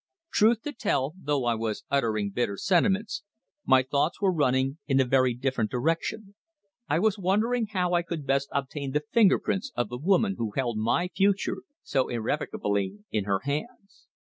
Truth to tell, though I was uttering bitter sentiments, my thoughts were running in a very different direction. I was wondering how I could best obtain the finger prints of the woman who held my future so irrevocably in her hands.